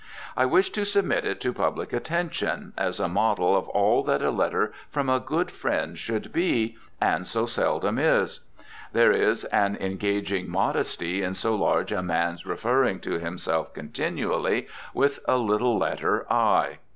I wish to submit it to public attention as a model of all that a letter from a good friend should be, and so seldom is! There is an engaging modesty in so large a man's referring to himself continually with a little letter "i."